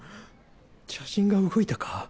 茶神が動いたか？